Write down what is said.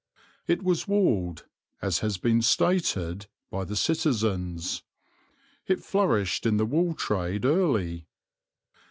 It was walled, as has been stated, by the citizens; it flourished in the wool trade early.